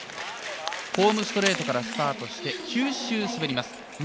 ホームストレートからスタートして９周滑ります。